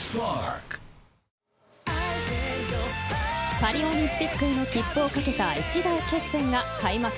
パリオリンピックへの切符をかけた一大決戦が開幕。